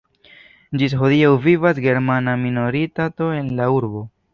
Ĝis hodiaŭ vivas germana minoritato en la urbo.